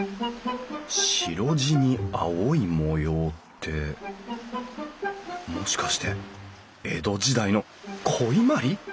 白地に青い模様ってもしかして江戸時代の古伊万里？